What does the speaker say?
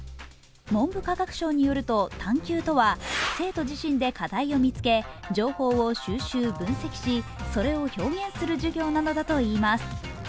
文部科学省によると、探究とは生徒自身で課題を見つけ情報を収集、分析しそれを表現する授業なのだといいます。